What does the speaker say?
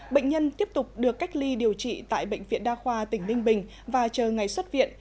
bệnh nhân tiếp tục được cách ly điều trị tại bệnh viện đa khoa tỉnh ninh bình và chờ ngày xuất viện